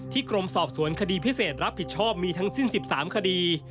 กรมสอบสวนคดีพิเศษรับผิดชอบมีทั้งสิ้น๑๓คดี